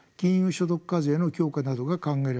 所得課税の強化などが考えられます。